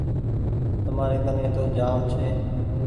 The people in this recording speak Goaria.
تمآري ڪني تو جآم ڇي۔